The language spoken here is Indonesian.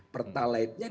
pertalaid nya itu